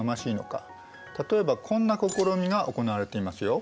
例えばこんな試みが行われていますよ。